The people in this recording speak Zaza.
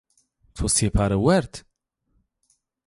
To sêpare werd?